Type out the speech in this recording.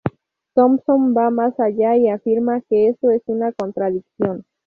Thomson va más allá y afirma que esto es una contradicción.